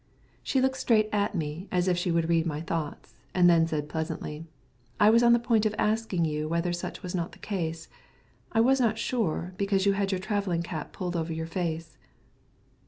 She looked straight at me as if she would read my thoughts, and then said pleasantly, "I was on the point of asking you whether such was not the case. I was not sure, because you had your travelling cap pulled over your face."